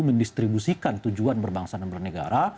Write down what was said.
mendistribusikan tujuan berbangsa dan bernegara